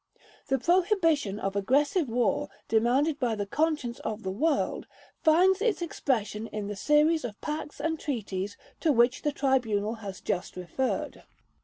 The prohibition of aggressive war demanded by the conscience of the world, finds its expression in the series of pacts and treaties to which the Tribunal has just referred.